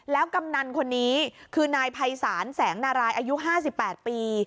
แล้วกำนันคนนี้คือนายภัยศาลแสงนารายอายุ๕๘ปี